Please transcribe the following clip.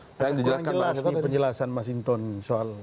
aku kurang jelas nih penjelasan mas hinton soal